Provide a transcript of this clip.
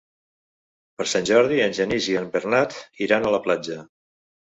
Per Sant Jordi en Genís i en Bernat iran a la platja.